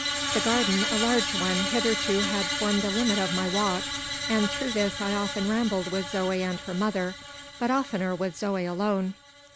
The garden, a large one, hitherto had formed the limit of my walk; and through this I often rambled with Zoe and her mother, but oftener with Zoe alone.